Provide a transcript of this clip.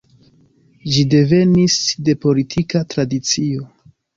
Ĝi devenis de politika tradicio.